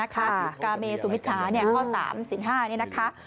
กาเมสุมิจฉาข้อ๓สิน๕นี่นะคะ